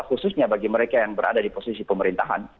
khususnya bagi mereka yang berada di posisi pemerintahan